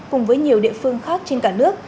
cùng với nhiều địa phương khác trên cả nước